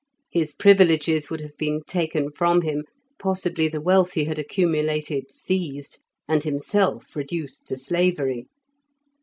His privileges would have been taken from him, possibly the wealth he had accumulated seized, and himself reduced to slavery.